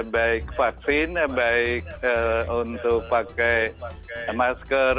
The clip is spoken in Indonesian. baik vaksin baik untuk pakai masker